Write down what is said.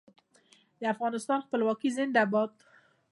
د افغانستان خپلواکي زنده باد.